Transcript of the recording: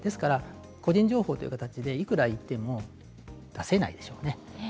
個人情報という形でいくら言っても出せないでしょうね。